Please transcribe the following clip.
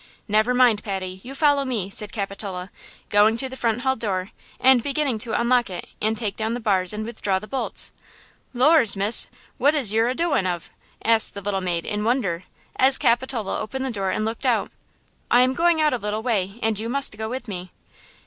"Never mind, Patty, you follow me," said Capitola, going to the front hall door and beginning to unlock it and take down the bars and withdraw the bolts. "Lors, miss, what is yer a doin' of?" asked the little maid, in wonder, as Capitola opened the door and looked out. "I am going out a little way and you must go with me!"